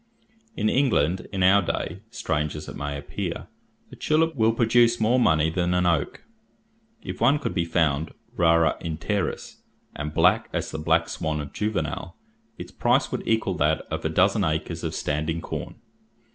In England, in our day, strange as it may appear, a tulip will produce more money than an oak. If one could be found, rara in terris, and black as the black swan of Juvenal, its price would equal that of a dozen acres of standing corn.